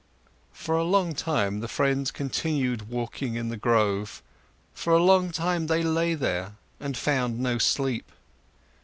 For a long time, the friends continued walking in the grove; for a long time, they lay there and found no sleep.